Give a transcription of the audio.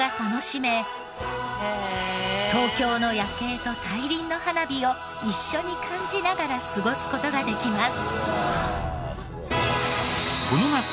東京の夜景と大輪の花火を一緒に感じながら過ごす事ができます。